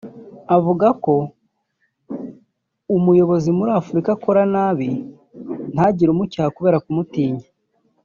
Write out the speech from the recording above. Avuga ko umuyobozi muri Afurika akora nabi ntagire umucyaha kubera kumutinya